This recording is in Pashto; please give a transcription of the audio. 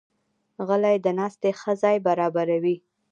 غلۍ د ناستې ښه ځای برابروي.